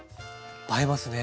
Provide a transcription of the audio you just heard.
映えますね！